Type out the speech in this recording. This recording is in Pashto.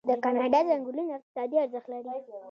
د کاناډا ځنګلونه اقتصادي ارزښت لري.